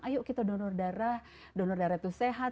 ayo kita donor darah donor darah itu sehat